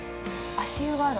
◆足湯がある。